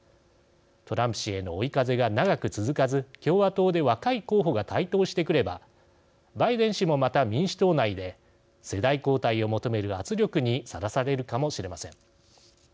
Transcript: トランプ氏への追い風が長く続かず、共和党で若い候補が台頭してくればバイデン氏もまた民主党内で世代交代を求める圧力にさらされるかもしれません。